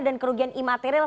dan kerugian imaterial